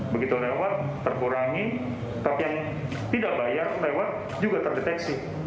begitu lewat terkurangi tapi yang tidak bayar lewat juga terdeteksi